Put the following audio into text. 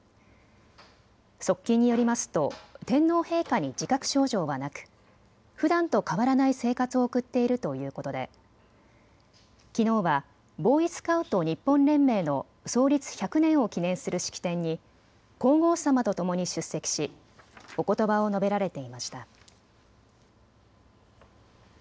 側近によりますと天皇陛下に自覚症状はなくふだんと変わらない生活を送っているということできのうはボーイスカウト日本連盟の創立１００年を記念する式典に皇后さまと共に出席しおことばを述べられていました。